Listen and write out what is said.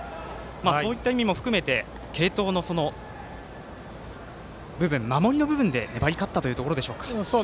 そういった意味も含めて継投の部分、守りの部分で勝ったということでしょうか。